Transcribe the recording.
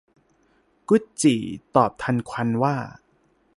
กุดจี่ตอบทันควันว่า